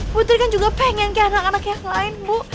putri kan juga pengen ke anak anak yang lain bu